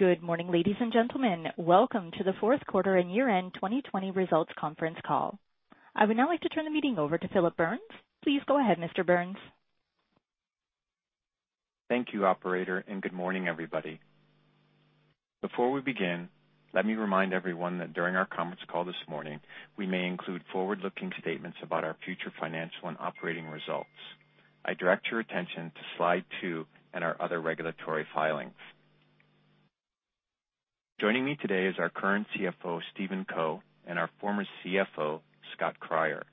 Good morning, ladies and gentlemen. Welcome to the fourth quarter and year-end 2020 results conference call. I would now like to turn the meeting over to Phillip Burns. Please go ahead, Mr. Burns. Thank you operator. Good morning, everybody. Before we begin, let me remind everyone that during our conference call this morning, we may include forward-looking statements about our future financial and operating results. I direct your attention to slide 2 and our other regulatory filings. Joining me today is our current CFO, Stephen Co, our former CFO, Scott Cryer.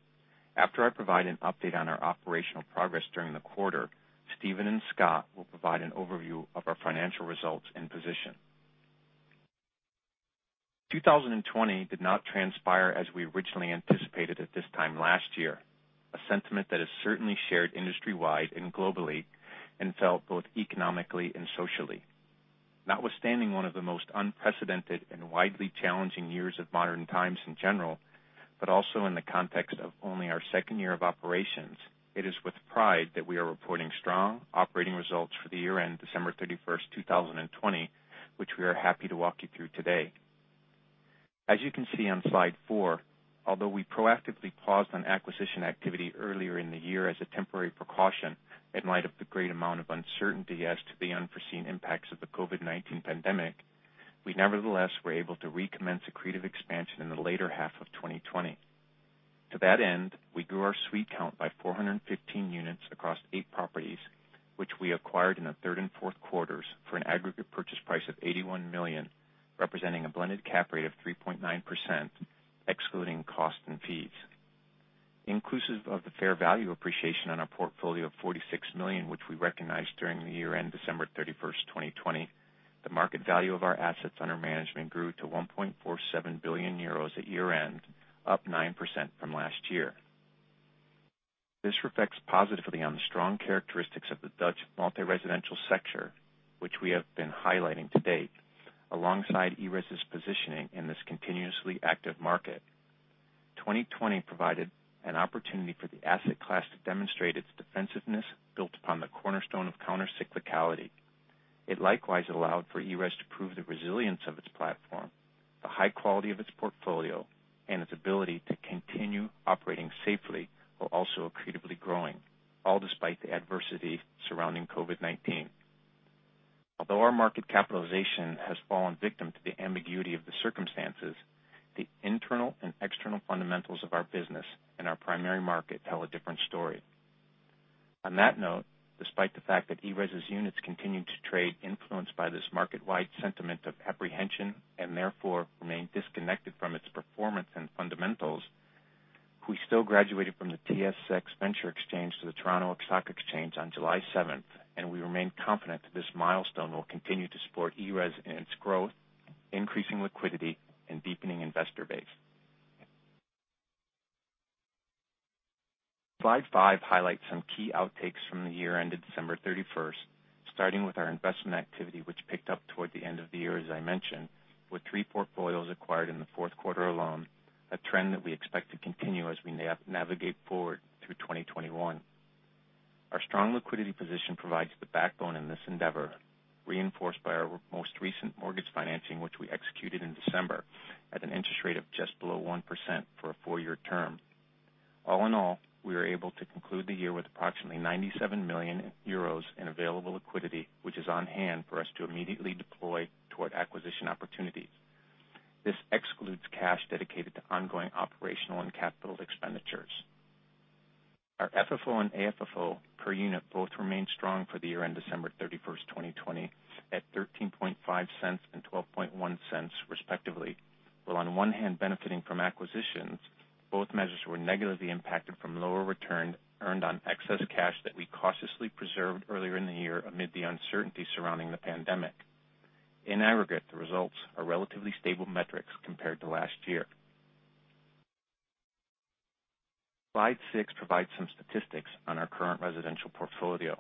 After I provide an update on our operational progress during the quarter, Stephen and Scott will provide an overview of our financial results and position. 2020 did not transpire as we originally anticipated at this time last year, a sentiment that is certainly shared industry-wide and globally and felt both economically and socially. Notwithstanding one of the most unprecedented and widely challenging years of modern times in general, but also in the context of only our second year of operations, it is with pride that we are reporting strong operating results for the year end December 31st, 2020, which we are happy to walk you through today. As you can see on slide 4, although we proactively paused on acquisition activity earlier in the year as a temporary precaution in light of the great amount of uncertainty as to the unforeseen impacts of the COVID-19 pandemic, we nevertheless were able to recommence accretive expansion in the later half of 2020. To that end, we grew our suite count by 415 units across eight properties, which we acquired in the third and fourth quarters for an aggregate purchase price of 81 million, representing a blended cap rate of 3.9%, excluding costs and fees. Inclusive of the fair value appreciation on our portfolio of 46 million, which we recognized during the year-end December 31st, 2020, the market value of our assets under management grew to 1.47 billion euros at year-end, up 9% from last year. This reflects positively on the strong characteristics of the Dutch multi-residential sector, which we have been highlighting to date, alongside ERES's positioning in this continuously active market. 2020 provided an opportunity for the asset class to demonstrate its defensiveness, built upon the cornerstone of countercyclicality. It likewise allowed for ERES to prove the resilience of its platform, the high quality of its portfolio, and its ability to continue operating safely while also accretively growing, all despite the adversity surrounding COVID-19. Our market capitalization has fallen victim to the ambiguity of the circumstances, the internal and external fundamentals of our business and our primary market tell a different story. On that note, despite the fact that ERES's units continued to trade influenced by this market-wide sentiment of apprehension and therefore remained disconnected from its performance and fundamentals, we still graduated from the TSX Venture Exchange to the Toronto Stock Exchange on July 7th. We remain confident that this milestone will continue to support ERES in its growth, increasing liquidity and deepening investor base. Slide 5 highlights some key outtakes from the year ended December 31st, starting with our investment activity, which picked up toward the end of the year, as I mentioned, with three portfolios acquired in the fourth quarter alone, a trend that we expect to continue as we navigate forward through 2021. Our strong liquidity position provides the backbone in this endeavor, reinforced by our most recent mortgage financing, which we executed in December at an interest rate of just below 1% for a four-year term. All in all, we are able to conclude the year with approximately 97 million euros in available liquidity, which is on hand for us to immediately deploy toward acquisition opportunities. This excludes cash dedicated to ongoing operational and capital expenditures. Our FFO and AFFO per unit both remained strong for the year end December 31st, 2020, at 0.135 and 0.121 respectively. While on one hand benefiting from acquisitions, both measures were negatively impacted from lower return earned on excess cash that we cautiously preserved earlier in the year amid the uncertainty surrounding the pandemic. In aggregate, the results are relatively stable metrics compared to last year. Slide 6 provides some statistics on our current residential portfolio.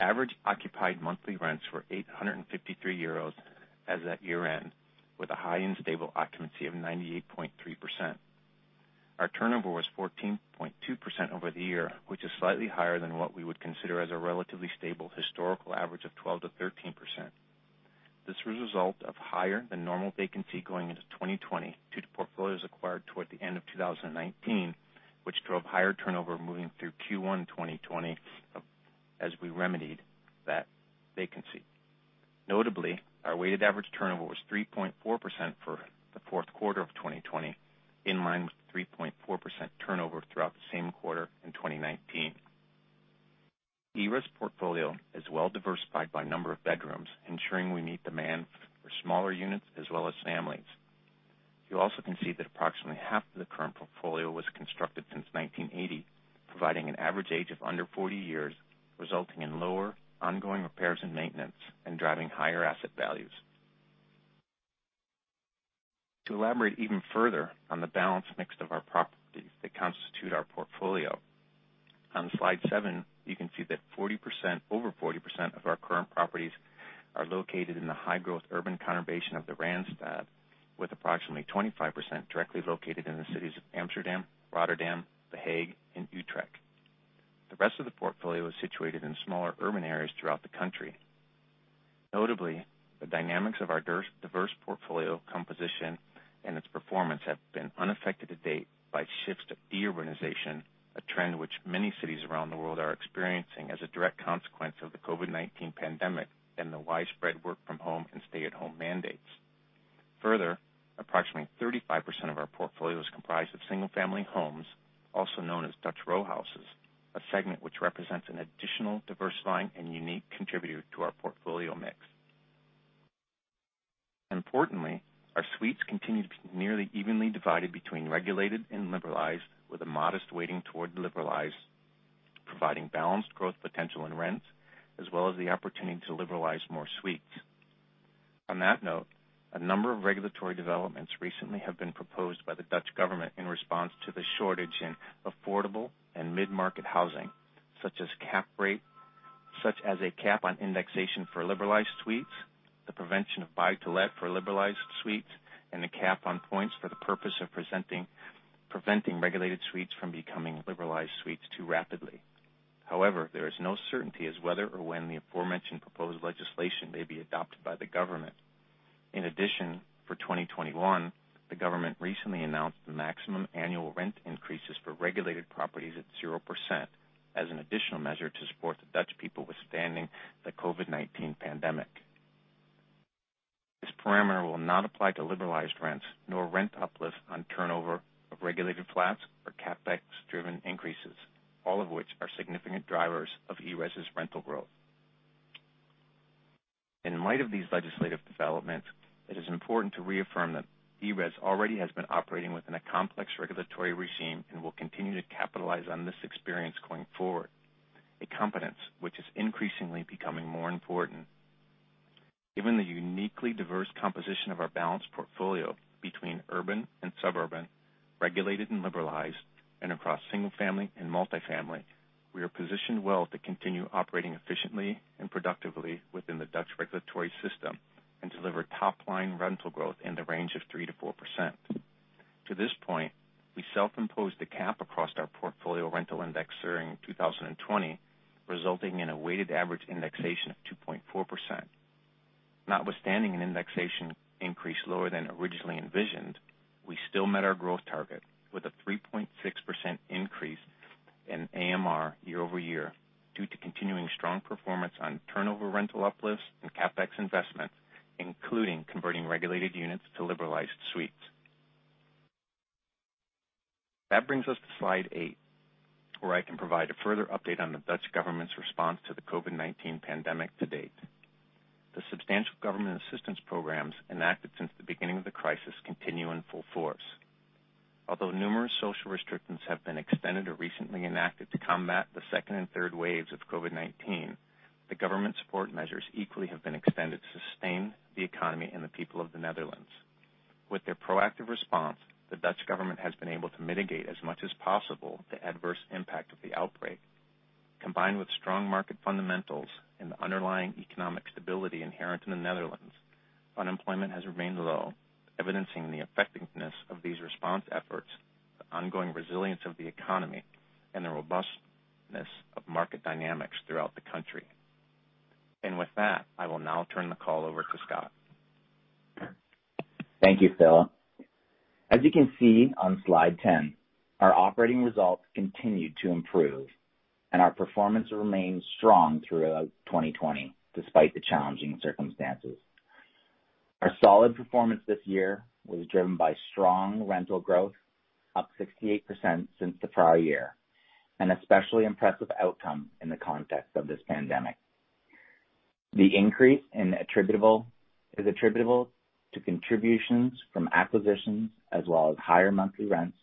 Average occupied monthly rents were 853 euros as at year-end, with a high and stable occupancy of 98.3%. Our turnover was 14.2% over the year, which is slightly higher than what we would consider as a relatively stable historical average of 12%-13%. This was a result of higher than normal vacancy going into 2020 due to portfolios acquired toward the end of 2019, which drove higher turnover moving through Q1 2020 as we remedied that vacancy. Notably, our weighted average turnover was 3.4% for the fourth quarter of 2020, in line with the 3.4% turnover throughout the same quarter in 2019. ERES's portfolio is well diversified by number of bedrooms, ensuring we meet demand for smaller units as well as families. You also can see that approximately half of the current portfolio was constructed since 1980, providing an average age of under 40 years, resulting in lower ongoing repairs and maintenance and driving higher asset values. To elaborate even further on the balanced mix of our properties that constitute our portfolio, on slide 7, you can see that over 40% of our current properties are located in the high-growth urban conurbation of the Randstad, with approximately 25% directly located in the cities of Amsterdam, Rotterdam, The Hague and Utrecht. The rest of the portfolio is situated in smaller urban areas throughout the country. Notably, the dynamics of our diverse portfolio composition and its performance have been unaffected to date by shifts to de-urbanization, a trend which many cities around the world are experiencing as a direct consequence of the COVID-19 pandemic and the widespread work from home and stay at home mandates. Further, approximately 35% of our portfolio is comprised of single family homes, also known as Dutch row houses, a segment which represents an additional diversifying and unique contributor to our portfolio mix. Importantly, our suites continue to be nearly evenly divided between regulated and liberalized, with a modest weighting toward liberalized, providing balanced growth potential in rents, as well as the opportunity to liberalize more suites. On that note, a number of regulatory developments recently have been proposed by the Dutch government in response to the shortage in affordable and mid-market housing, such as a cap on indexation for liberalized suites, the prevention of buy-to-let for liberalized suites, and a cap on points for the purpose of preventing regulated suites from becoming liberalized suites too rapidly. However, there is no certainty as whether or when the aforementioned proposed legislation may be adopted by the government. In addition, for 2021, the government recently announced the maximum annual rent increases for regulated properties at 0%, as an additional measure to support the Dutch people withstanding the COVID-19 pandemic. This parameter will not apply to liberalized rents, nor rent uplift on turnover of regulated flats or CapEx driven increases, all of which are significant drivers of ERES's rental growth. In light of these legislative developments, it is important to reaffirm that ERES already has been operating within a complex regulatory regime and will continue to capitalize on this experience going forward, a competence which is increasingly becoming more important. Given the uniquely diverse composition of our balanced portfolio between urban and suburban, regulated and liberalized, and across single family and multifamily, we are positioned well to continue operating efficiently and productively within the Dutch regulatory system and deliver top-line rental growth in the range of 3%-4%. To this point, we self-imposed a cap across our portfolio rental index during 2020, resulting in a weighted average indexation of 2.4%. Notwithstanding an indexation increase lower than originally envisioned, we still met our growth target with a 3.6% increase in AMR year-over-year, due to continuing strong performance on turnover rental uplifts and CapEx investments, including converting regulated units to liberalized suites. Brings us to slide 8, where I can provide a further update on the Dutch government's response to the COVID-19 pandemic to date. The substantial government assistance programs enacted since the beginning of the crisis continue in full force. Numerous social restrictions have been extended or recently enacted to combat the second and third waves of COVID-19, the government support measures equally have been extended to sustain the economy and the people of the Netherlands. With their proactive response, the Dutch government has been able to mitigate as much as possible the adverse impact of the outbreak. Combined with strong market fundamentals and the underlying economic stability inherent in the Netherlands, unemployment has remained low, evidencing the effectiveness of these response efforts, the ongoing resilience of the economy, and the robustness of market dynamics throughout the country. With that, I will now turn the call over to Scott. Thank you, Phil. As you can see on slide 10, our operating results continued to improve, and our performance remained strong throughout 2020, despite the challenging circumstances. Our solid performance this year was driven by strong rental growth, up 68% since the prior year, an especially impressive outcome in the context of this pandemic. The increase is attributable to contributions from acquisitions as well as higher monthly rents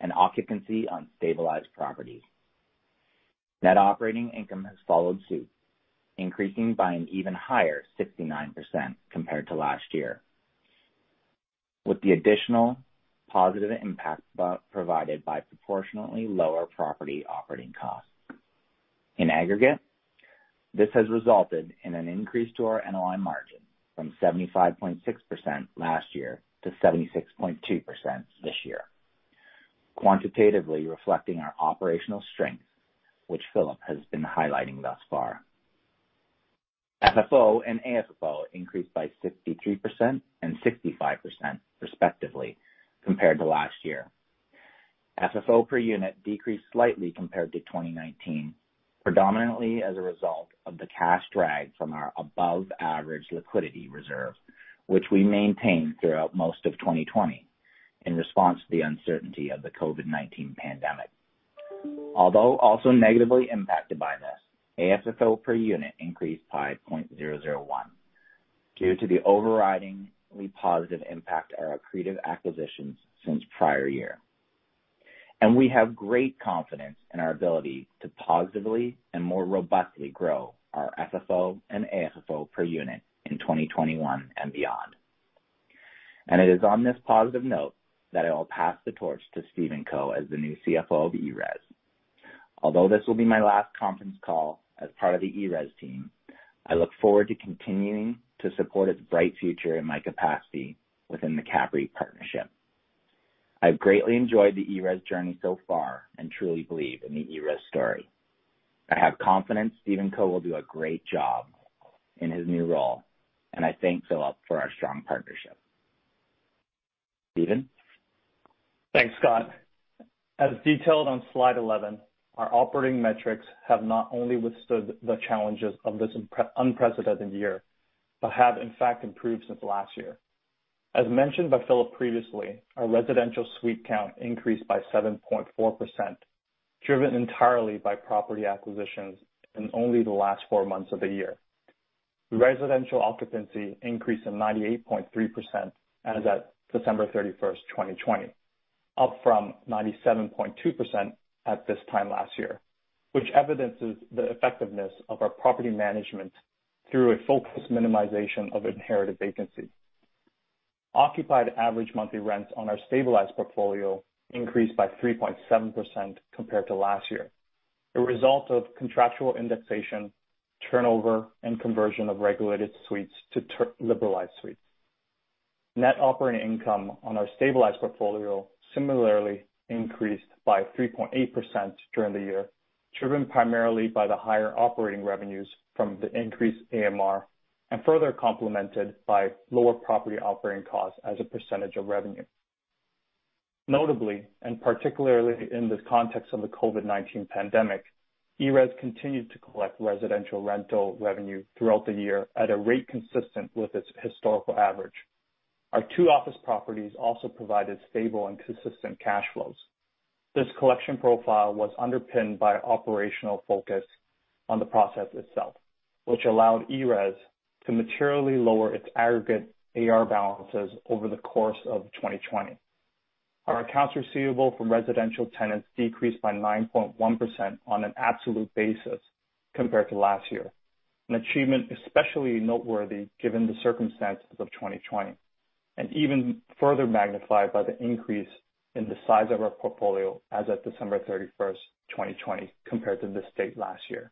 and occupancy on stabilized properties. Net operating income has followed suit, increasing by an even higher 69% compared to last year, with the additional positive impact provided by proportionately lower property operating costs. In aggregate, this has resulted in an increase to our NOI margin from 75.6% last year to 76.2% this year, quantitatively reflecting our operational strength, which Phillip has been highlighting thus far. FFO and AFFO increased by 63% and 65%, respectively, compared to last year. FFO per unit decreased slightly compared to 2019, predominantly as a result of the cash drag from our above-average liquidity reserve, which we maintained throughout most of 2020 in response to the uncertainty of the COVID-19 pandemic. Although also negatively impacted by this, AFFO per unit increased by 0.001 due to the overriding positive impact our accretive acquisitions since prior year. We have great confidence in our ability to positively and more robustly grow our FFO and AFFO per unit in 2021 and beyond. It is on this positive note that I will pass the torch to Stephen Co as the new CFO of ERES. Although this will be my last conference call as part of the ERES team, I look forward to continuing to support its bright future in my capacity within the CAPREIT partnership. I've greatly enjoyed the ERES journey so far and truly believe in the ERES story. I have confidence Stephen Co will do a great job in his new role, and I thank Phillip for our strong partnership. Stephen? Thanks, Scott. As detailed on slide 11, our operating metrics have not only withstood the challenges of this unprecedented year, but have in fact improved since last year. As mentioned by Phillip previously, our residential suite count increased by 7.4%, driven entirely by property acquisitions in only the last four months of the year. Residential occupancy increased to 98.3% as at December 31st, 2020, up from 97.2% at this time last year, which evidences the effectiveness of our property management through a focused minimization of inherited vacancy. Occupied average monthly rents on our stabilized portfolio increased by 3.7% compared to last year, a result of contractual indexation, turnover, and conversion of regulated suites to liberalized suites. Net operating income on our stabilized portfolio similarly increased by 3.8% during the year, driven primarily by the higher operating revenues from the increased AMR and further complemented by lower property operating costs as a percentage of revenue. Notably, and particularly in the context of the COVID-19 pandemic, ERES continued to collect residential rental revenue throughout the year at a rate consistent with its historical average. Our two office properties also provided stable and consistent cash flows. This collection profile was underpinned by operational focus on the process itself, which allowed ERES to materially lower its aggregate AR balances over the course of 2020. Our accounts receivable from residential tenants decreased by 9.1% on an absolute basis compared to last year, an achievement especially noteworthy given the circumstances of 2020, and even further magnified by the increase in the size of our portfolio as at December 31st, 2020, compared to this date last year.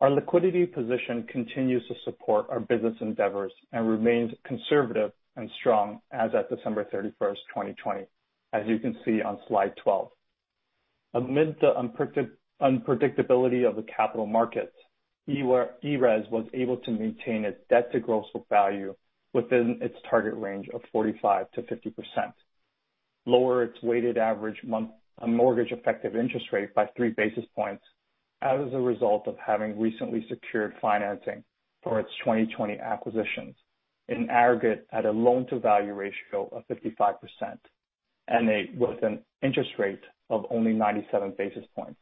Our liquidity position continues to support our business endeavors and remains conservative and strong as at December 31st, 2020, as you can see on slide 12. Amid the unpredictability of the capital markets, ERES was able to maintain its debt to gross book value within its target range of 45%-50%, lower its weighted average month-end mortgage effective interest rate by three basis points as a result of having recently secured financing for its 2020 acquisitions in aggregate at a loan-to-value ratio of 55%, and with an interest rate of only 97 basis points,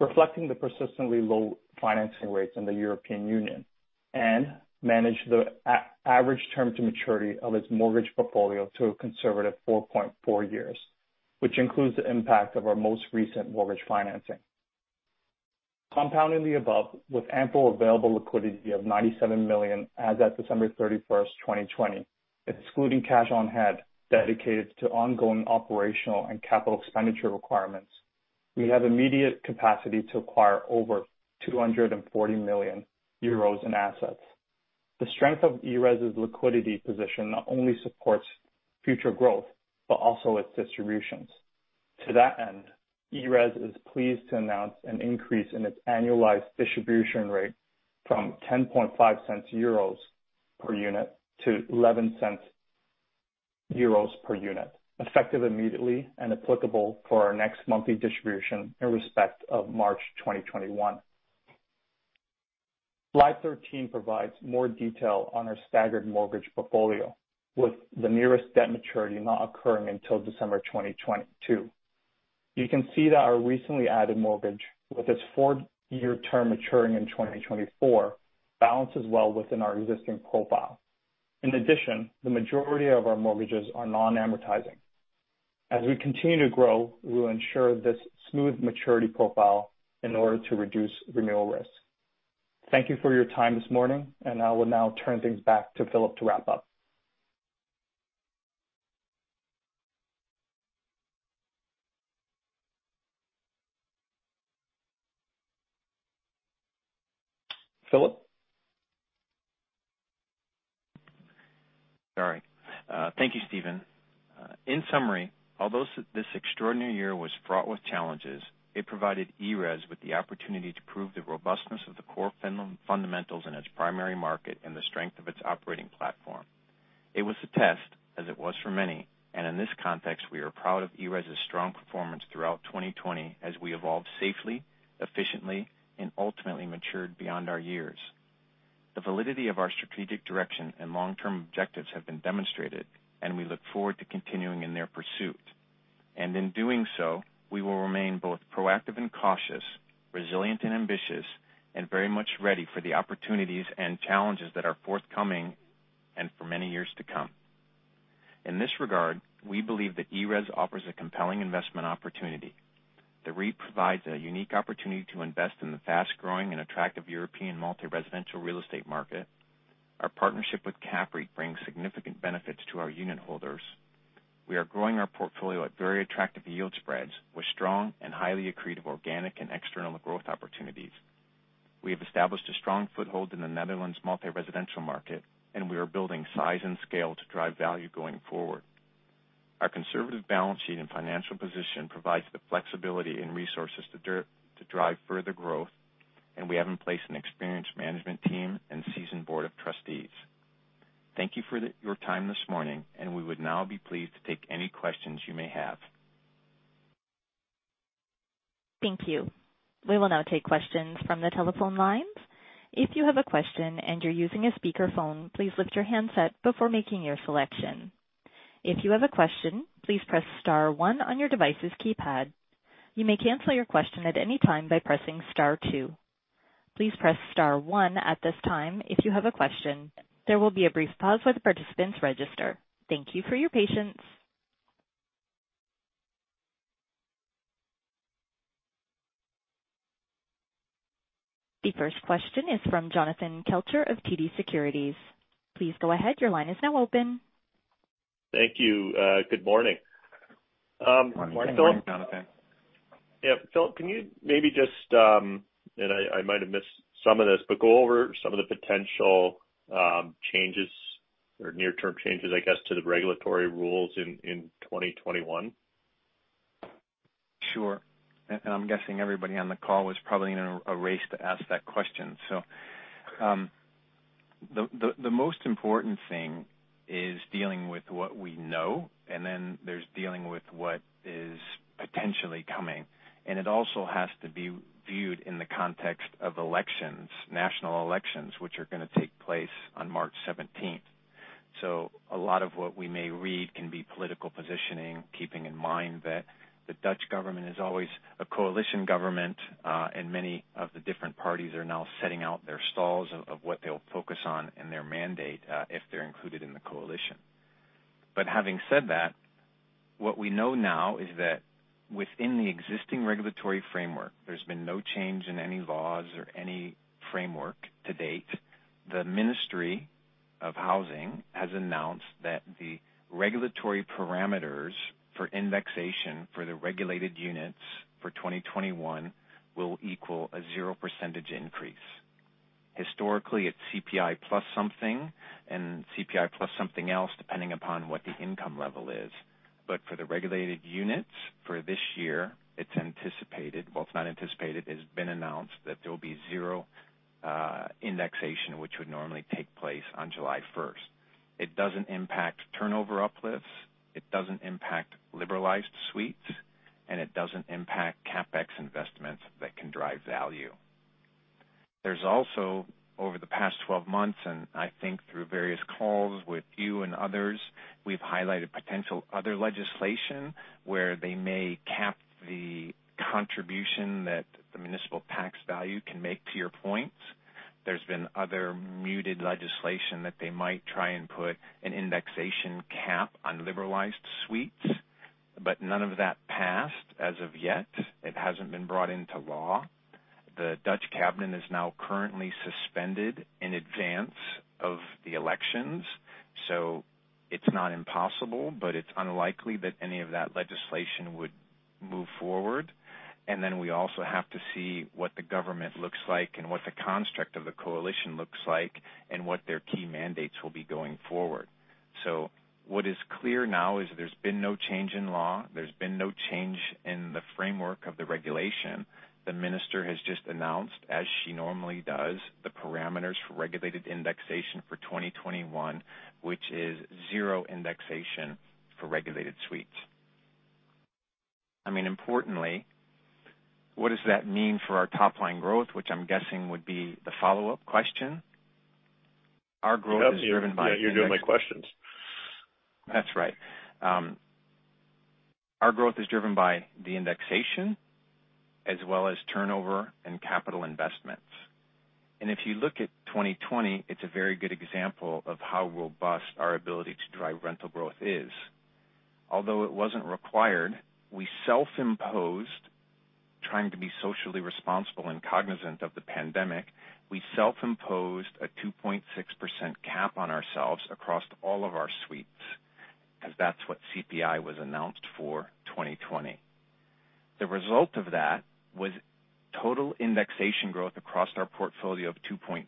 reflecting the persistently low financing rates in the European Union, and manage the average term to maturity of its mortgage portfolio to a conservative 4.4 years, which includes the impact of our most recent mortgage financing. Compounding the above with ample available liquidity of 97 million as at December 31st, 2020, excluding cash on hand dedicated to ongoing operational and capital expenditure requirements, we have immediate capacity to acquire over 240 million euros in assets. The strength of ERES's liquidity position not only supports future growth, but also its distributions. To that end, ERES is pleased to announce an increase in its annualized distribution rate from 0.105 per unit to 0.11 per unit, effective immediately and applicable for our next monthly distribution in respect of March 2021. Slide 13 provides more detail on our staggered mortgage portfolio, with the nearest debt maturity not occurring until December 2022. You can see that our recently added mortgage, with its four-year term maturing in 2024, balances well within our existing profile. In addition, the majority of our mortgages are non-amortizing. As we continue to grow, we will ensure this smooth maturity profile in order to reduce renewal risk. Thank you for your time this morning, and I will now turn things back to Phillip to wrap up. Phillip? Sorry. Thank you, Stephen. In summary, although this extraordinary year was fraught with challenges, it provided ERES with the opportunity to prove the robustness of the core fundamentals in its primary market and the strength of its operating platform. It was a test, as it was for many, and in this context, we are proud of ERES's strong performance throughout 2020 as we evolved safely, efficiently, and ultimately matured beyond our years. The validity of our strategic direction and long-term objectives have been demonstrated, and we look forward to continuing in their pursuit. In doing so, we will remain both proactive and cautious, resilient and ambitious, and very much ready for the opportunities and challenges that are forthcoming and for many years to come. In this regard, we believe that ERES offers a compelling investment opportunity. The REIT provides a unique opportunity to invest in the fast-growing and attractive European multi-residential real estate market. Our partnership with CAPREIT brings significant benefits to our unit holders. We are growing our portfolio at very attractive yield spreads with strong and highly accretive organic and external growth opportunities. We have established a strong foothold in the Netherlands multi-residential market. We are building size and scale to drive value going forward. Our conservative balance sheet and financial position provides the flexibility and resources to drive further growth. We have in place an experienced management team and seasoned board of trustees. Thank you for your time this morning. We would now be pleased to take any questions you may have. Thank you. We will now take questions from the telephone lines. If you have a question and you're using a speakerphone, please lift your handset before making your selection. If you have a question, please press star one on your device's keypad. You may cancel your question at any time by pressing star two. Please press star one at this time if you have a question. There will be a brief pause while the participants register. Thank you for your patience. The first question is from Jonathan Kelcher of TD Securities. Please go ahead. Your line is now open. Thank you. Good morning. Good morning, Jonathan. Yeah. Phillip, can you maybe just, and I might have missed some of this, but go over some of the potential changes or near-term changes, I guess, to the regulatory rules in 2021? Sure. I'm guessing everybody on the call was probably in a race to ask that question. The most important thing is dealing with what we know, and then there's dealing with what is potentially coming. It also has to be viewed in the context of elections, national elections, which are going to take place on March 17th. A lot of what we may read can be political positioning, keeping in mind that the Dutch government is always a coalition government, and many of the different parties are now setting out their stalls of what they'll focus on in their mandate, if they're included in the coalition. Having said that, what we know now is that within the existing regulatory framework, there's been no change in any laws or any framework to date. The Ministry of Housing has announced that the regulatory parameters for indexation for the regulated units for 2021 will equal a 0% increase. Historically, it's CPI plus something, and CPI plus something else, depending upon what the income level is. For the regulated units for this year, it's been announced that there will be 0 indexation, which would normally take place on July 1st. It doesn't impact turnover uplifts, it doesn't impact liberalized suites, and it doesn't impact CapEx investments that can drive value. There's also, over the past 12 months, I think through various calls with you and others, we've highlighted potential other legislation where they may cap the contribution that the municipal tax value can make to your point. There's been other muted legislation that they might try and put an indexation cap on liberalized suites, but none of that passed as of yet. It hasn't been brought into law. The Dutch cabinet is now currently suspended in advance of the elections, so it's not impossible, but it's unlikely that any of that legislation would move forward. We also have to see what the government looks like and what the construct of the coalition looks like and what their key mandates will be going forward. What is clear now is there's been no change in law. There's been no change in the framework of the regulation. The minister has just announced, as she normally does, the parameters for regulated indexation for 2021, which is zero indexation for regulated suites. I mean, importantly, what does that mean for our top-line growth? Which I'm guessing would be the follow-up question. Our growth is driven by- Yeah, you're doing my questions. That's right. Our growth is driven by the indexation as well as turnover and capital investments. If you look at 2020, it's a very good example of how robust our ability to drive rental growth is. Although it wasn't required, we self-imposed, trying to be socially responsible and cognizant of the pandemic, we self-imposed a 2.6% cap on ourselves across all of our suites, as that's what CPI was announced for 2020. The result of that was total indexation growth across our portfolio of 2.4%.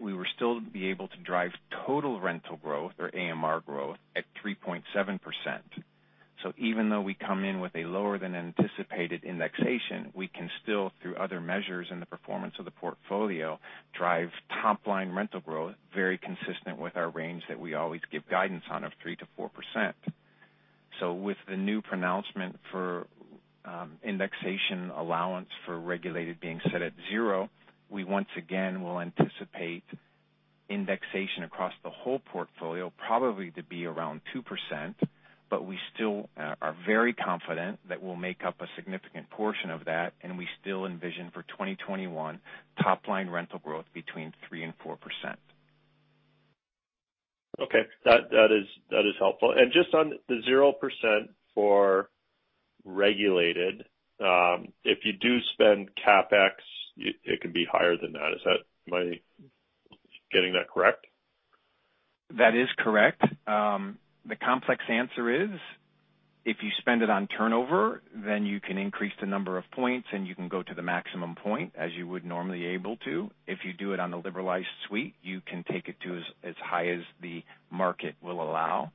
We were still able to drive total rental growth or AMR growth at 3.7%. Even though we come in with a lower than anticipated indexation, we can still, through other measures in the performance of the portfolio, drive top-line rental growth very consistent with our range that we always give guidance on of 3%-4%. With the new pronouncement for indexation allowance for regulated being set at 0%, we once again will anticipate indexation across the whole portfolio probably to be around 2%. We still are very confident that we'll make up a significant portion of that, and we still envision for 2021 top-line rental growth between 3% and 4%. Okay. That is helpful. Just on the 0% for regulated, if you do spend CapEx, it can be higher than that. Am I getting that correct? That is correct. The complex answer is if you spend it on turnover, then you can increase the number of points and you can go to the maximum point as you would normally able to. If you do it on a liberalized suite, you can take it to as high as the market will allow.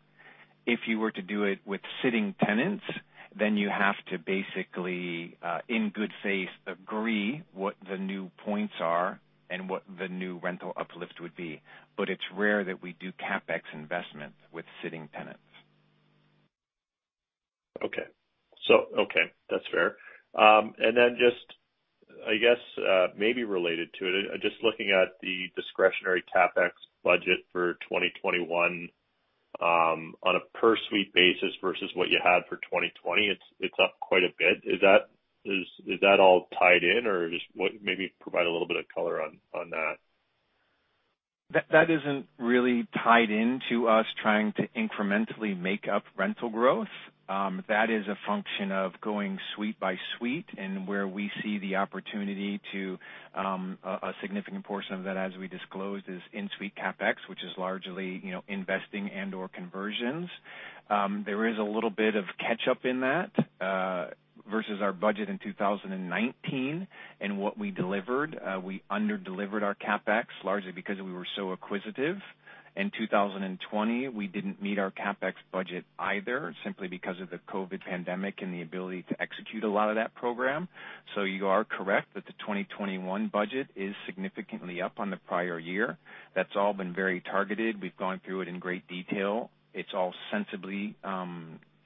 If you were to do it with sitting tenants, then you have to basically, in good faith, agree what the new points are and what the new rental uplift would be. It's rare that we do CapEx investments with sitting tenants. Okay. That's fair. Just, I guess maybe related to it, just looking at the discretionary CapEx budget for 2021 on a per suite basis versus what you had for 2020, it's up quite a bit. Is that all tied in or just maybe provide a little bit of color on that? That isn't really tied into us trying to incrementally make up rental growth. That is a function of going suite by suite and where we see the opportunity to, a significant portion of that, as we disclosed, is in-suite CapEx, which is largely investing and/or conversions. There is a little bit of catch-up in that versus our budget in 2019 and what we delivered. We under-delivered our CapEx largely because we were so acquisitive. In 2020, we didn't meet our CapEx budget either, simply because of the COVID pandemic and the ability to execute a lot of that program. You are correct that the 2021 budget is significantly up on the prior year. That's all been very targeted. We've gone through it in great detail. It's all sensibly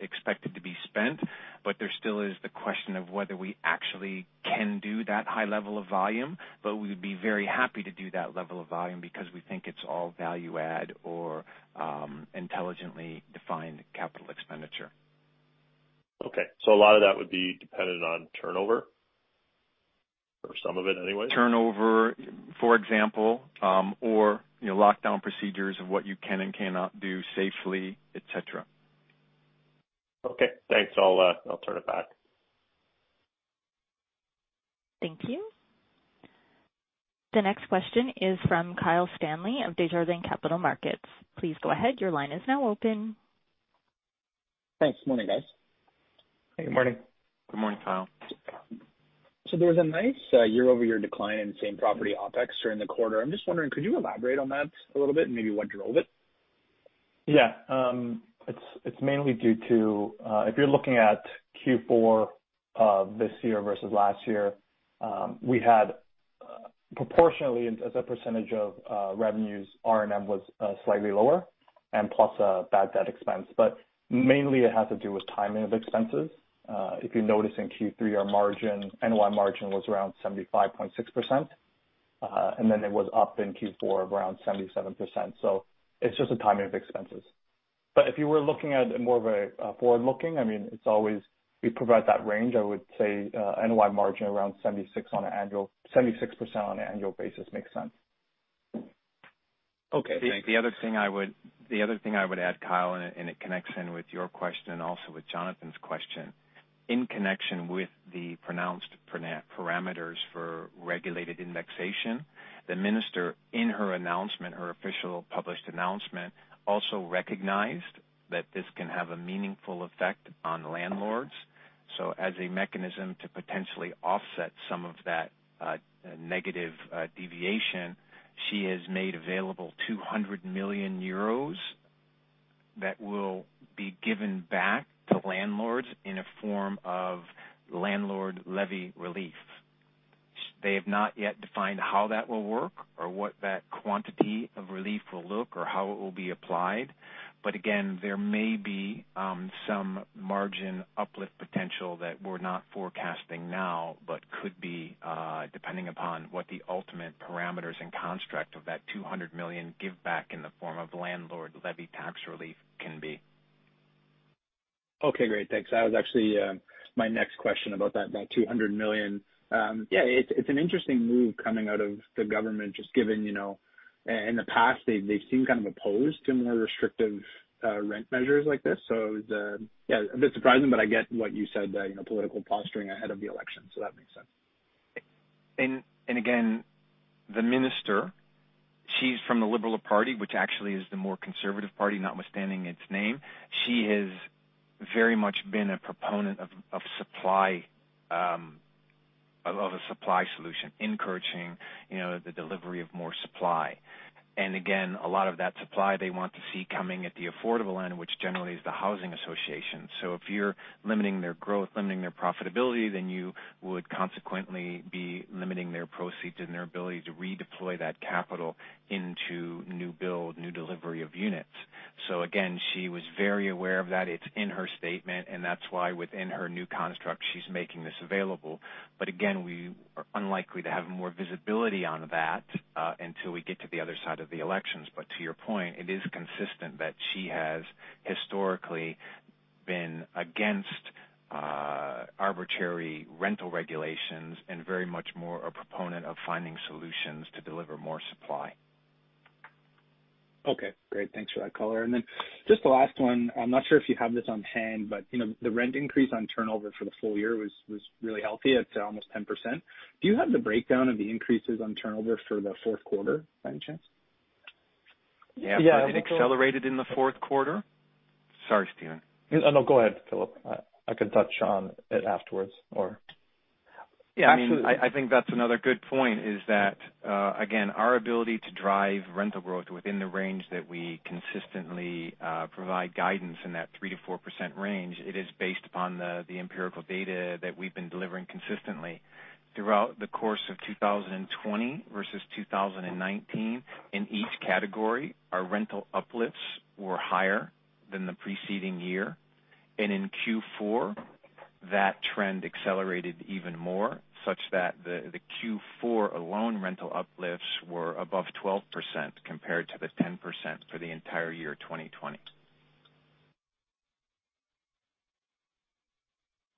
expected to be spent, but there still is the question of whether we actually can do that high level of volume. We would be very happy to do that level of volume because we think it's all value add or intelligently defined capital expenditure. Okay. A lot of that would be dependent on turnover or some of it anyway? Turnover, for example, or lockdown procedures of what you can and cannot do safely, et cetera. Okay, thanks. I'll turn it back. Thank you. The next question is from Kyle Stanley of Desjardins Capital Markets. Please go ahead. Thanks. Morning, guys. Good morning. Good morning, Kyle. There was a nice year-over-year decline in same property OPEX during the quarter. I'm just wondering, could you elaborate on that a little bit and maybe what drove it? Yeah. It's mainly due to, if you're looking at Q4 of this year versus last year, we had proportionally, as a percentage of revenues, R&M was slightly lower and plus a bad debt expense. Mainly it had to do with timing of expenses. If you notice in Q3, our NOI margin was around 75.6%, it was up in Q4 around 77%. It's just a timing of expenses. If you were looking at more of a forward-looking, it's always we provide that range. I would say NOI margin around 76% on an annual basis makes sense. Okay. Thanks. The other thing I would add, Kyle, in a connection with your question and also with Jonathan's question, in connection with the pronounced parameters for regulated indexation, the minister in her announcement, her official published announcement, also recognized that this can have a meaningful effect on landlords. As a mechanism to potentially offset some of that negative deviation, she has made available 200 million euros that will be given back to landlords in a form of landlord levy relief. They have not yet defined how that will work or what that quantity of relief will look or how it will be applied. Again, there may be some margin uplift potential that we're not forecasting now but could be depending upon what the ultimate parameters and construct of that 200 million give back in the form of landlord levy tax relief can be. Okay, great. Thanks. That was actually my next question about that 200 million. Yeah, it's an interesting move coming out of the government, just given in the past they've seemed kind of opposed to more restrictive rent measures like this. It was a bit surprising, but I get what you said, political posturing ahead of the election. That makes sense. Again, the minister, she's from the Liberal Party, which actually is the more conservative party notwithstanding its name. She has very much been a proponent of a supply solution, encouraging the delivery of more supply. Again, a lot of that supply they want to see coming at the affordable end, which generally is the housing association. If you're limiting their growth, limiting their profitability, then you would consequently be limiting their proceeds and their ability to redeploy that capital into new build, new delivery of units. Again, she was very aware of that. It's in her statement, and that's why within her new construct, she's making this available. Again, we are unlikely to have more visibility on that until we get to the other side of the elections. To your point, it is consistent that she has historically been against arbitrary rental regulations and very much more a proponent of finding solutions to deliver more supply. Okay, great. Thanks for that color. Then just the last one. I'm not sure if you have this on hand, but the rent increase on turnover for the full year was really healthy at almost 10%. Do you have the breakdown of the increases on turnover for the fourth quarter by any chance? Yeah. It accelerated in the fourth quarter. Sorry, Stephen. No, go ahead, Phillip. I can touch on it afterwards. Yeah. Absolutely. I think that's another good point is that, again, our ability to drive rental growth within the range that we consistently provide guidance in that 3% to 4% range, it is based upon the empirical data that we've been delivering consistently throughout the course of 2020 versus 2019. In each category, our rental uplifts were higher than the preceding year. In Q4, that trend accelerated even more, such that the Q4 alone rental uplifts were above 12% compared to the 10% for the entire year 2020.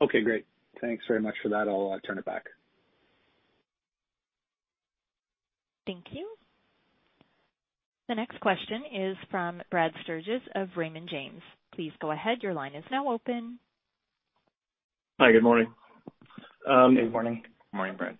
Okay, great. Thanks very much for that. I'll turn it back. Thank you. The next question is from Brad Sturges of Raymond James. Please go ahead. Hi, good morning. Good morning. Morning, Brad.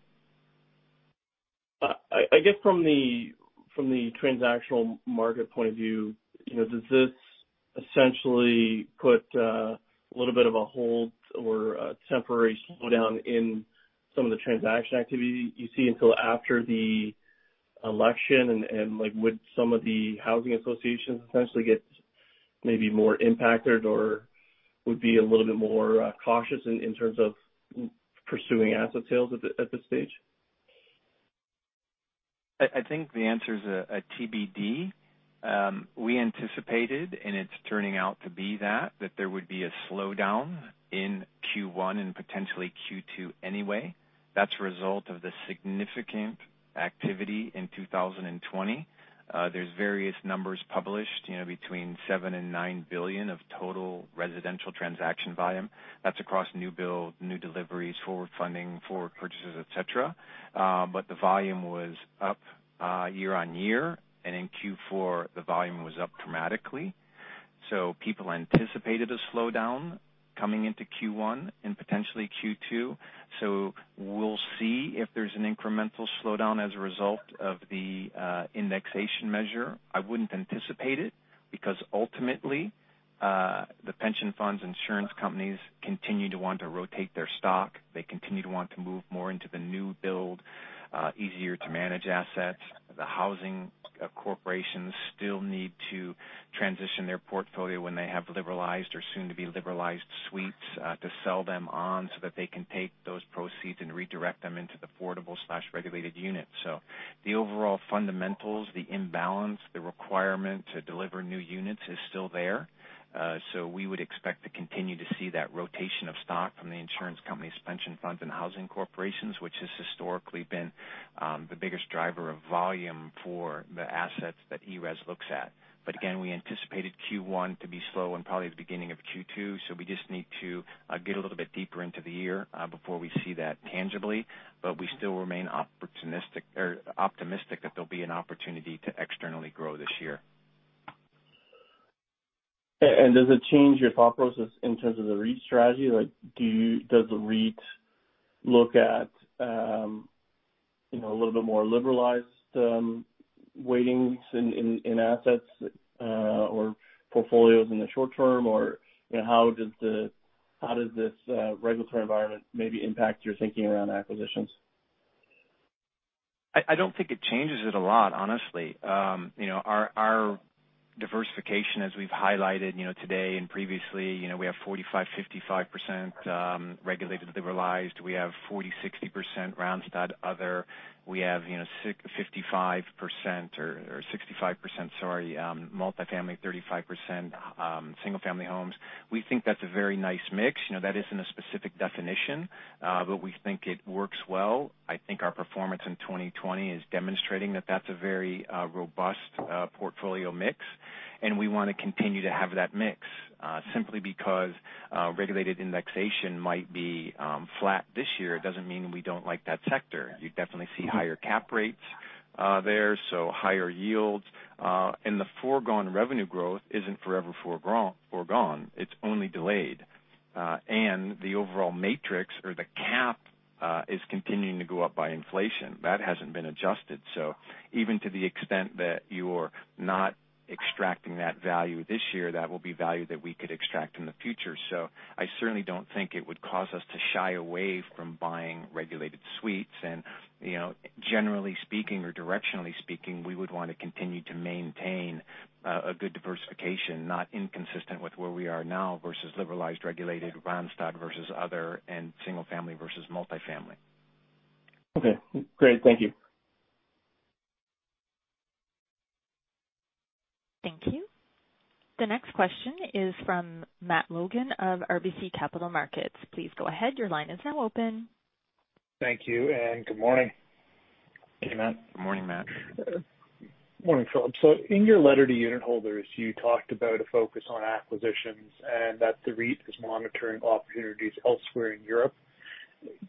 I guess from the transactional market point of view, does this essentially put a little bit of a hold or a temporary slowdown in some of the transaction activity you see until after the election? Would some of the housing associations essentially get maybe more impacted or would be a little bit more cautious in terms of pursuing asset sales at this stage? I think the answer is a TBD. We anticipated, and it's turning out to be that there would be a slowdown in Q1 and potentially Q2 anyway. That's a result of the significant activity in 2020. There's various numbers published between 7 billion and 9 billion of total residential transaction volume. That's across new build, new deliveries, forward funding, forward purchases, et cetera. The volume was up year-on-year, and in Q4, the volume was up dramatically. People anticipated a slowdown coming into Q1 and potentially Q2. We'll see if there's an incremental slowdown as a result of the indexation measure. I wouldn't anticipate it, because ultimately, the pension funds, insurance companies continue to want to rotate their stock. They continue to want to move more into the new build, easier-to-manage assets. The housing corporation still need to transition their portfolio when they have liberalized or soon-to-be liberalized suites to sell them on so that they can take those proceeds and redirect them into the affordable/regulated unit. The overall fundamentals, the imbalance, the requirement to deliver new units is still there. We would expect to continue to see that rotation of stock from the insurance companies, pension funds, and housing corporation, which has historically been the biggest driver of volume for the assets that ERES looks at. Again, we anticipated Q1 to be slow and probably the beginning of Q2, so we just need to get a little bit deeper into the year before we see that tangibly. We still remain optimistic that there'll be an opportunity to externally grow this year. Does it change your thought process in terms of the REIT strategy? Does the REIT look at a little bit more liberalized weightings in assets or portfolios in the short term, or how does this regulatory environment maybe impact your thinking around acquisitions? I don't think it changes it a lot, honestly. Our diversification, as we've highlighted today and previously, we have 45%, 55% regulated to liberalized. We have 40%, 60% Randstad, other. We have 65% multifamily, 35% single family homes. We think that's a very nice mix. That isn't a specific definition, but we think it works well. I think our performance in 2020 is demonstrating that that's a very robust portfolio mix, and we want to continue to have that mix. Simply because regulated indexation might be flat this year, it doesn't mean we don't like that sector. You definitely see higher cap rates there, so higher yields. The foregone revenue growth isn't forever foregone. It's only delayed. The overall matrix or the cap is continuing to go up by inflation. That hasn't been adjusted. Even to the extent that you're not extracting that value this year, that will be value that we could extract in the future. I certainly don't think it would cause us to shy away from buying regulated suites. Generally speaking or directionally speaking, we would want to continue to maintain a good diversification, not inconsistent with where we are now versus liberalized, regulated, Randstad versus other, and single family versus multifamily. Okay, great. Thank you. Thank you. The next question is from Matt Logan of RBC Capital Markets. Please go ahead. Thank you, and good morning. Hey, Matt. Good morning, Matt. Morning, Phillip. In your letter to unit holders, you talked about a focus on acquisitions and that the REIT is monitoring opportunities elsewhere in Europe.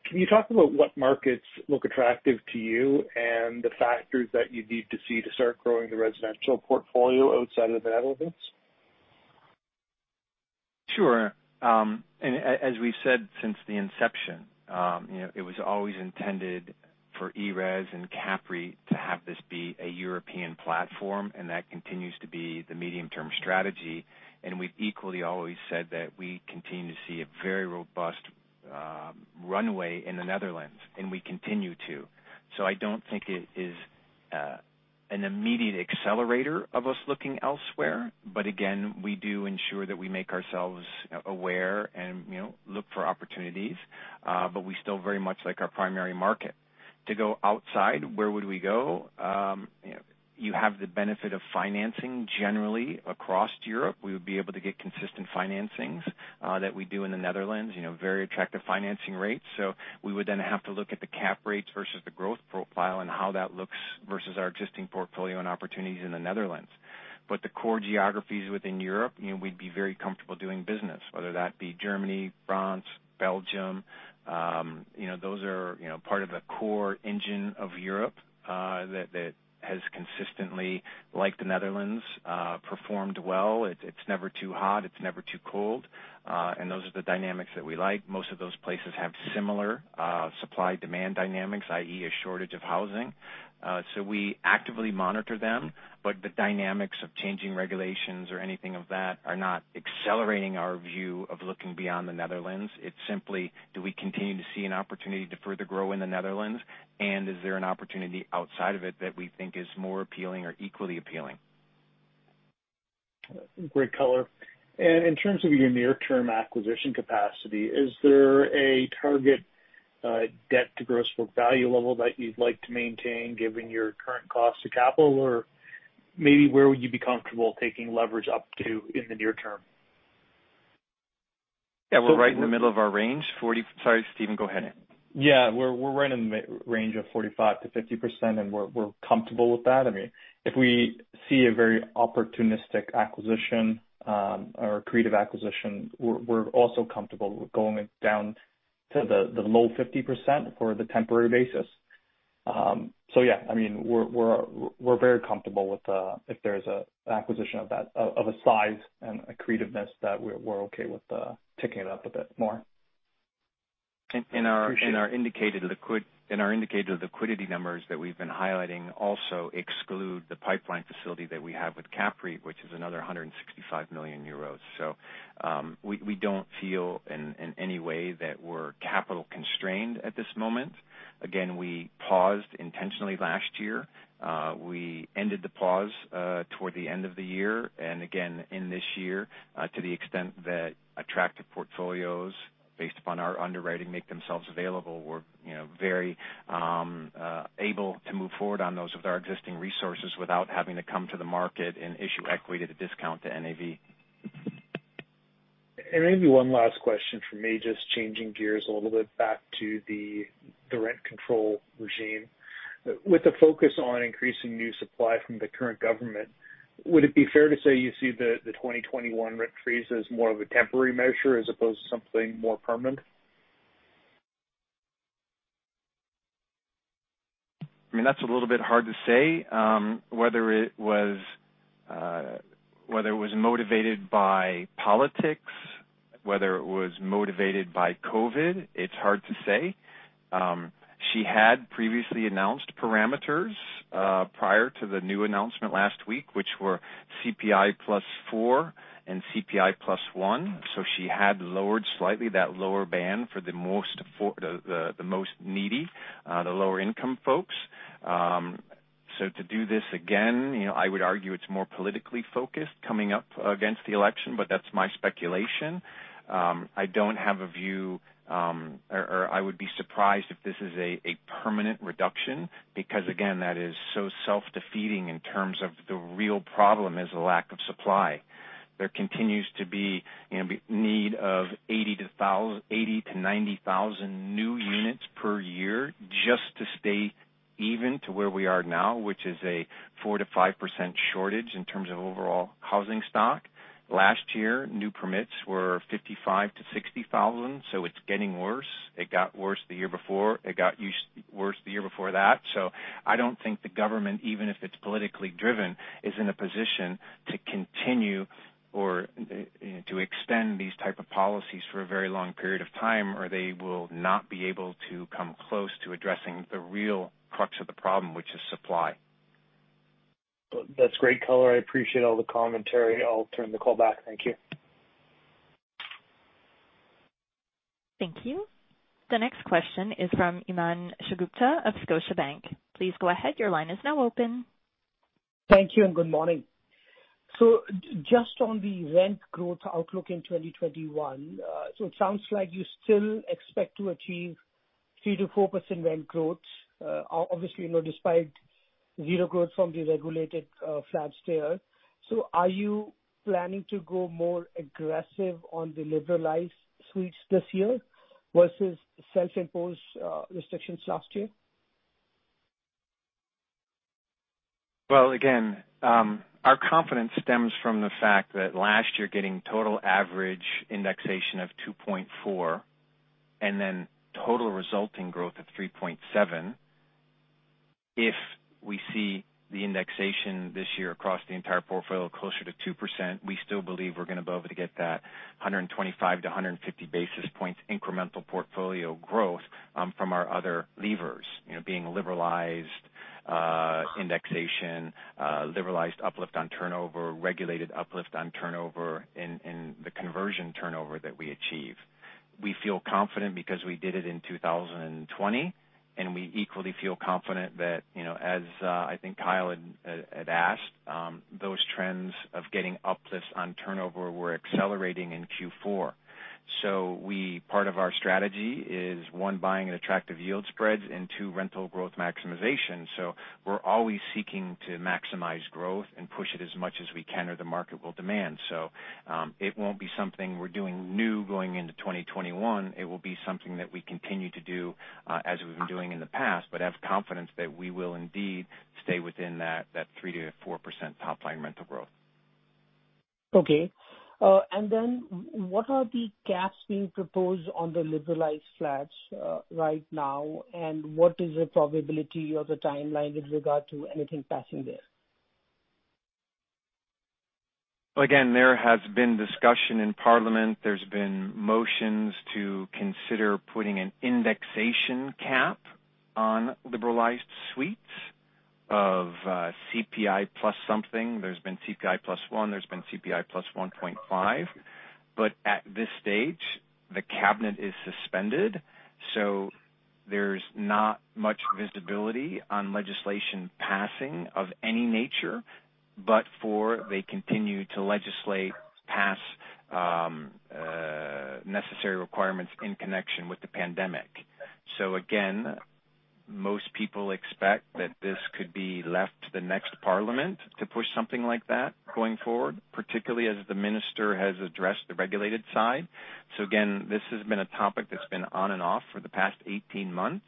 Can you talk about what markets look attractive to you and the factors that you'd need to see to start growing the residential portfolio outside of the Netherlands? Sure. As we've said since the inception, it was always intended for ERES and CAPREIT to have this be a European platform, and that continues to be the medium-term strategy. We've equally always said that we continue to see a very robust runway in the Netherlands, and we continue to. I don't think it is an immediate accelerator of us looking elsewhere. Again, we do ensure that we make ourselves aware and look for opportunities. We still very much like our primary market. To go outside, where would we go? You have the benefit of financing generally across Europe. We would be able to get consistent financings that we do in the Netherlands, very attractive financing rates. We would then have to look at the cap rates versus the growth profile and how that looks versus our existing portfolio and opportunities in the Netherlands. The core geographies within Europe, we'd be very comfortable doing business, whether that be Germany, France, Belgium. Those are part of the core engine of Europe, that has consistently, like the Netherlands, performed well. It's never too hot, it's never too cold. Those are the dynamics that we like. Most of those places have similar supply-demand dynamics, i.e., a shortage of housing. We actively monitor them, but the dynamics of changing regulations or anything of that are not accelerating our view of looking beyond the Netherlands. It's simply, do we continue to see an opportunity to further grow in the Netherlands, and is there an opportunity outside of it that we think is more appealing or equally appealing? Great color. In terms of your near-term acquisition capacity, is there a target debt to gross book value level that you'd like to maintain given your current cost to capital? Or maybe where would you be comfortable taking leverage up to in the near term? Yeah, we're right in the middle of our range. Sorry, Stephen, go ahead. We're right in the range of 45%-50%, and we're comfortable with that. If we see a very opportunistic acquisition or accretive acquisition, we're also comfortable with going down to the low 50% for the temporary basis. We're very comfortable with if there's an acquisition of a size and accretiveness that we're okay with ticking it up a bit more. Appreciate it. Our indicated liquidity numbers that we've been highlighting also exclude the pipeline facility that we have with CAPREIT, which is another 165 million euros. We don't feel in any way that we're capital constrained at this moment. We paused intentionally last year. We ended the pause toward the end of the year, and again, in this year, to the extent that attractive portfolios based upon our underwriting make themselves available. We're very able to move forward on those with our existing resources without having to come to the market and issue equity at a discount to NAV. Maybe one last question from me, just changing gears a little bit back to the rent control regime. With the focus on increasing new supply from the current government, would it be fair to say you see the 2021 rent freeze as more of a temporary measure as opposed to something more permanent? That's a little bit hard to say. Whether it was motivated by politics, whether it was motivated by COVID, it's hard to say. She had previously announced parameters prior to the new announcement last week, which were CPI plus four and CPI plus one. She had lowered slightly that lower band for the most needy, the lower income folks. To do this again, I would argue it's more politically focused coming up against the election, but that's my speculation. I don't have a view, or I would be surprised if this is a permanent reduction, because again, that is so self-defeating in terms of the real problem is a lack of supply. There continues to be need of 80,000 to 90,000 new units per year just to stay even to where we are now, which is a 4%-5% shortage in terms of overall housing stock. Last year, new permits were 55,000-60,000. It's getting worse. It got worse the year before. It got worse the year before that. I don't think the government, even if it's politically driven, is in a position to continue or to extend these type of policies for a very long period of time, or they will not be able to come close to addressing the real crux of the problem, which is supply. That's great color. I appreciate all the commentary. I'll turn the call back. Thank you. Thank you. The next question is from Himanshu Gupta of Scotiabank. Please go ahead. Your line is now open. Thank you and good morning. Just on the rent growth outlook in 2021. It sounds like you still expect to achieve 3%-4% rent growth. Obviously, despite zero growth from the regulated flats. Are you planning to go more aggressive on the liberalized suites this year versus self-imposed restrictions last year? Well, again, our confidence stems from the fact that last year getting total average indexation of 2.4% and then total resulting growth of 3.7%. If we see the indexation this year across the entire portfolio closer to 2%, we still believe we're going to be able to get that 125 to 150 basis points incremental portfolio growth from our other levers. Being liberalized indexation, liberalized uplift on turnover, regulated uplift on turnover, and the conversion turnover that we achieve. We feel confident because we did it in 2020, and we equally feel confident that, as I think Kyle had asked, those trends of getting uplifts on turnover were accelerating in Q4. Part of our strategy is, one, buying at attractive yield spreads, and two, rental growth maximization. We're always seeking to maximize growth and push it as much as we can or the market will demand. It won't be something we're doing new going into 2021. It will be something that we continue to do as we've been doing in the past, but have confidence that we will indeed stay within that 3%-4% top-line rental growth. Okay. What are the gaps being proposed on the liberalized flats right now, and what is the probability or the timeline with regard to anything passing there? Again, there has been discussion in Parliament. There has been motions to consider putting an indexation cap on liberalized suites of CPI plus something. There has been CPI plus one, there has been CPI plus 1.5. At this stage, the Cabinet is suspended, so there is not much visibility on legislation passing of any nature, but for they continue to legislate past necessary requirements in connection with the pandemic. Again, most people expect that this could be left to the next Parliament to push something like that going forward, particularly as the Minister has addressed the regulated side. Again, this has been a topic that has been on and off for the past 18 months.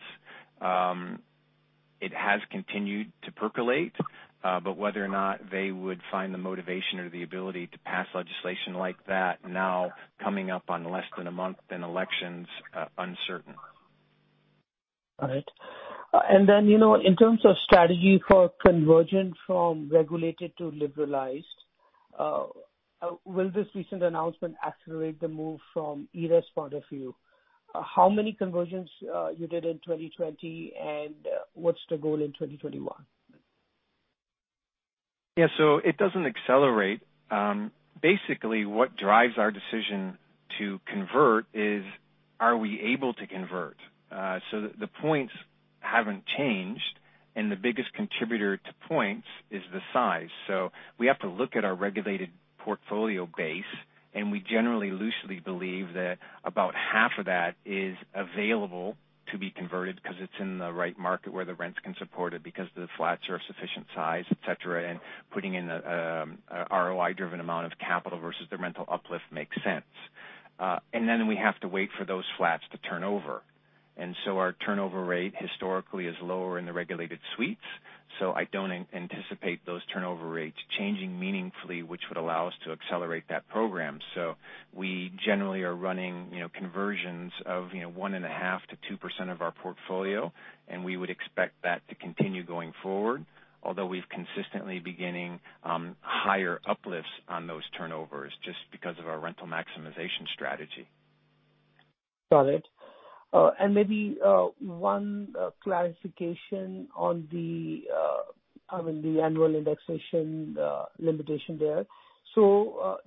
It has continued to percolate, but whether or not they would find the motivation or the ability to pass legislation like that now, coming up on less than a month, then election is uncertain. All right. In terms of strategy for conversion from regulated to liberalized, will this recent announcement accelerate the move from ERES's point of view? How many conversions you did in 2020, and what's the goal in 2021? Yeah. It doesn't accelerate. Basically, what drives our decision to convert is, are we able to convert? The points haven't changed, and the biggest contributor to points is the size. We have to look at our regulated portfolio base, and we generally loosely believe that about half of that is available to be converted because it's in the right market where the rents can support it, because the flats are a sufficient size, et cetera, and putting in an ROI-driven amount of capital versus the rental uplift makes sense. Then we have to wait for those flats to turn over. Our turnover rate historically is lower in the regulated suites, so I don't anticipate those turnover rates changing meaningfully, which would allow us to accelerate that program. We generally are running conversions of 1.5%-2% of our portfolio, and we would expect that to continue going forward, although we've consistently beginning higher uplifts on those turnovers just because of our rental maximization strategy. Got it. Maybe one clarification on the annual indexation limitation there.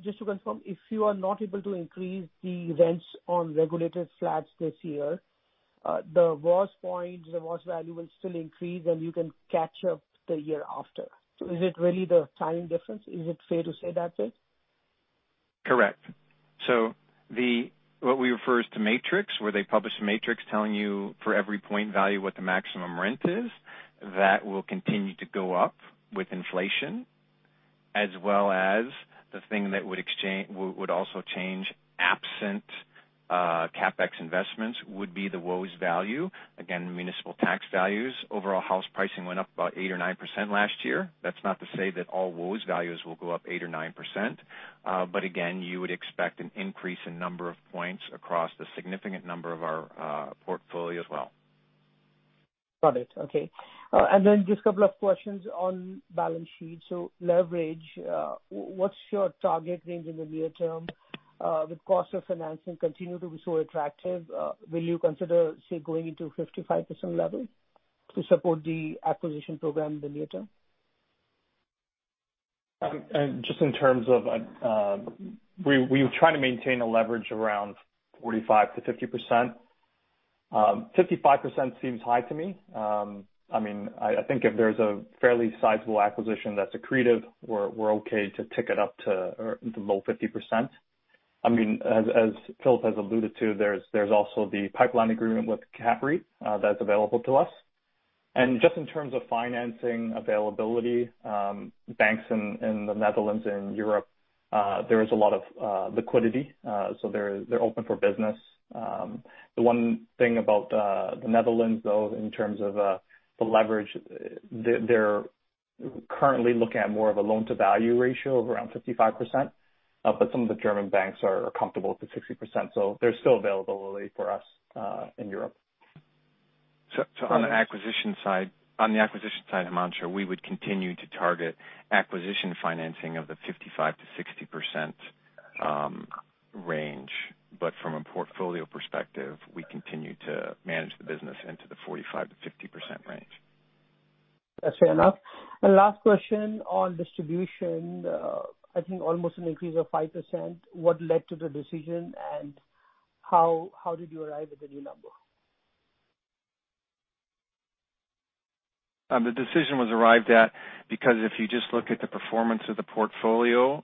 Just to confirm, if you are not able to increase the rents on regulated flats this year, the WOZ points, the WOZ value will still increase, and you can catch up the year after. Is it really the timing difference? Is it fair to say that, Phil? Correct. What we refer to as the matrix, where they publish a matrix telling you for every point value what the maximum rent is, that will continue to go up with inflation. As well as the thing that would also change, absent CapEx investments, would be the WOZ value. Again, municipal tax values. Overall house pricing went up about 8% or 9% last year. That's not to say that all WOZ values will go up 8% or 9%, but again, you would expect an increase in number of points across the significant number of our portfolio as well. Got it. Okay. Just couple of questions on balance sheet. Leverage, what's your target range in the near term? With cost of financing continue to be so attractive, will you consider, say, going into 55% leverage to support the acquisition program in the near term? Just in terms of, we try to maintain a leverage around 45%-50%. 55% seems high to me. I think if there's a fairly sizable acquisition that's accretive, we're okay to tick it up to low 50%. As Phillip has alluded to, there's also the pipeline agreement with CAPREIT that's available to us. Just in terms of financing availability, banks in the Netherlands and Europe, there is a lot of liquidity. They're open for business. The one thing about the Netherlands, though, in terms of the leverage, We're currently looking at more of a loan-to-value ratio of around 55%, but some of the German banks are comfortable with the 60%, so there's still availability for us, in Europe. On the acquisition side, Himanshu, we would continue to target acquisition financing of the 55%-60% range. From a portfolio perspective, we continue to manage the business into the 45%-50% range. That's fair enough. Last question on distribution. I think almost an increase of 5%. What led to the decision, and how did you arrive at the new number? The decision was arrived at because if you just look at the performance of the portfolio,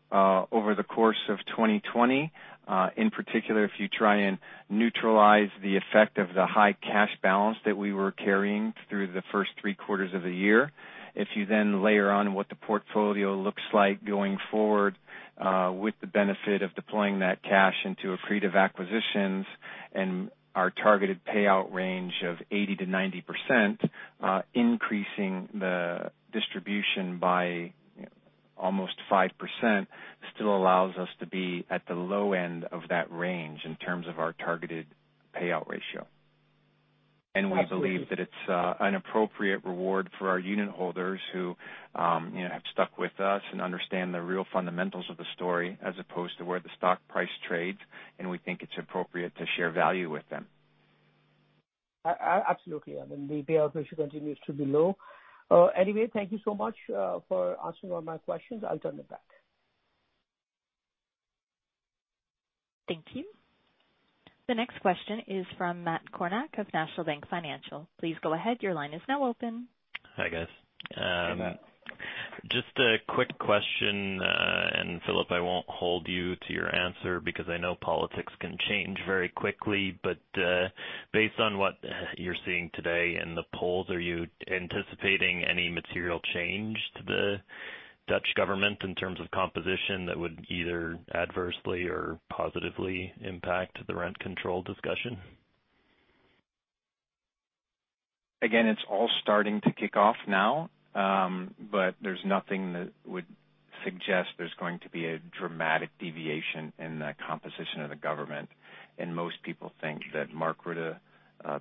over the course of 2020, in particular, if you try and neutralize the effect of the high cash balance that we were carrying through the first three quarters of the year, if you then layer on what the portfolio looks like going forward, with the benefit of deploying that cash into accretive acquisitions and our targeted payout range of 80%-90%, increasing the distribution by almost 5% still allows us to be at the low end of that range in terms of our targeted payout ratio. We believe that it's an appropriate reward for our unit holders who have stuck with us and understand the real fundamentals of the story as opposed to where the stock price trades, and we think it's appropriate to share value with them. Absolutely. I mean, the payout ratio continues to be low. Anyway, thank you so much for answering all my questions. I'll turn it back. Thank you. The next question is from Matt Kornack of National Bank Financial. Please go ahead. Your line is now open. Hi, guys. Hey, Matt. Just a quick question, and Phillip, I won't hold you to your answer because I know politics can change very quickly, but, based on what you're seeing today in the polls, are you anticipating any material change to the Dutch government in terms of composition that would either adversely or positively impact the rent control discussion? Again, it's all starting to kick off now, but there's nothing that would suggest there's going to be a dramatic deviation in the composition of the government. Most people think that Mark Rutte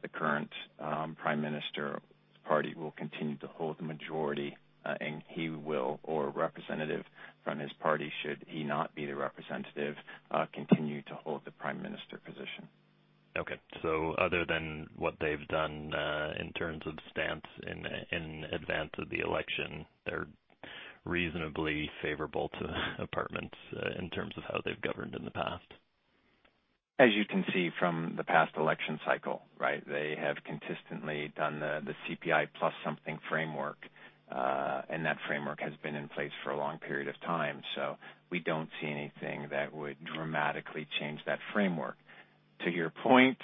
the current Prime Minister party, will continue to hold the majority, and he will, or a representative from his party, should he not be the representative, continue to hold the Prime Minister position. Okay, other than what they've done, in terms of stance in advance of the election, they're reasonably favorable to apartments in terms of how they've governed in the past? As you can see from the past election cycle, right? They have consistently done the CPI plus something framework, and that framework has been in place for a long period of time. We don't see anything that would dramatically change that framework. To your point,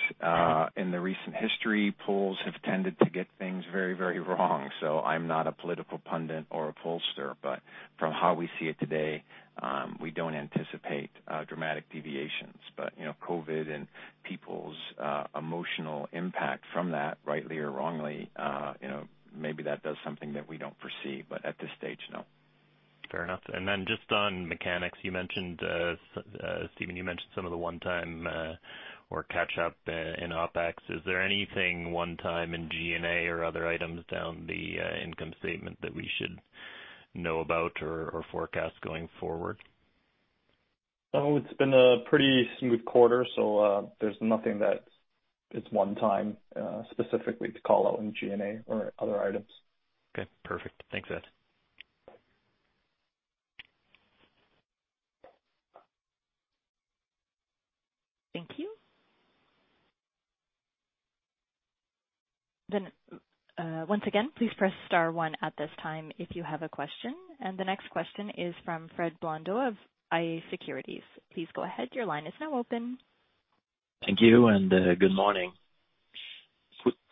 in the recent history, polls have tended to get things very, very wrong. I'm not a political pundit or a pollster, but from how we see it today, we don't anticipate dramatic deviations. But COVID-19 and people's emotional impact from that, rightly or wrongly, maybe that does something that we don't foresee, but at this stage, no. Fair enough. Just on mechanics, Stephen, you mentioned some of the one-time, or catch up in OPEX. Is there anything one time in G&A or other items down the income statement that we should know about or forecast going forward? It's been a pretty smooth quarter. There's nothing that is one time, specifically to call out in G&A or other items. Okay, perfect. Thanks, guys. Thank you. Once again, please press star one at this time if you have a question. The next question is from Fred Blondeau of iA Securities. Please go ahead. Thank you. Good morning.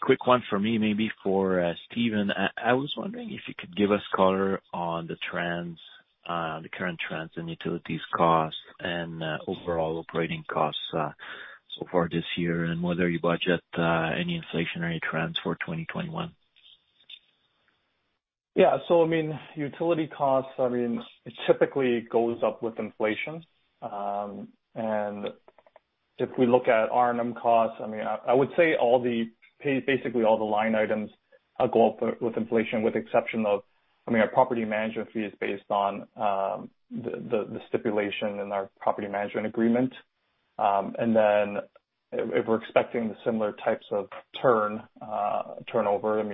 Quick one for me, maybe for Stephen. I was wondering if you could give us color on the current trends in utilities costs and overall operating costs, so far this year, and whether you budget any inflationary trends for 2021. Utility costs, it typically goes up with inflation. If we look at R&M costs, I would say basically all the line items go up with inflation with exception of our property management fee is based on the stipulation in our property management agreement. If we're expecting the similar types of turnover,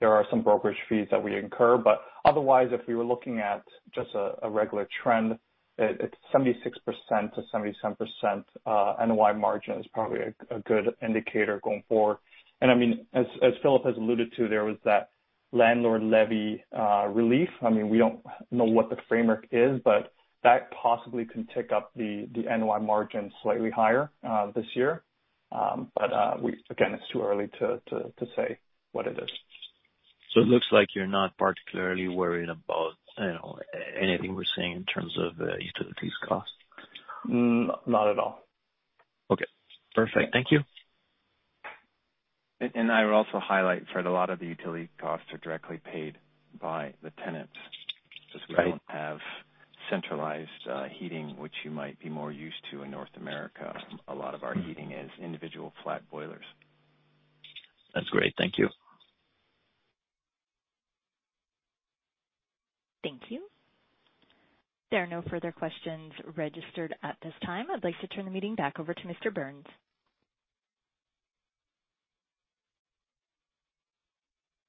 there are some brokerage fees that we incur, otherwise, if we were looking at just a regular trend, at 76%-77% NOI margin is probably a good indicator going forward. As Phillip has alluded to, there was that landlord levy relief. We don't know what the framework is, that possibly can tick up the NOI margin slightly higher this year. Again, it's too early to say what it is. It looks like you're not particularly worried about anything we're seeing in terms of utilities cost? Not at all. Okay, perfect. Thank you. I would also highlight, Fred, a lot of the utility costs are directly paid by the tenants. Right Because we don't have centralized heating, which you might be more used to in North America. A lot of our heating is individual flat boilers. That's great. Thank you. Thank you. There are no further questions registered at this time. I'd like to turn the meeting back over to Mr. Burns.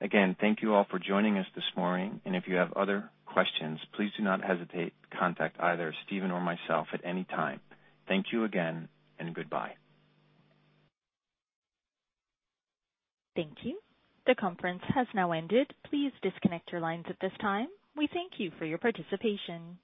Again, thank you all for joining us this morning. If you have other questions, please do not hesitate to contact either Stephen or myself at any time. Thank you again, and goodbye. Thank you. The conference has now ended. Please disconnect your lines at this time. We thank you for your participation